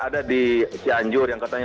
ada di cianjur yang katanya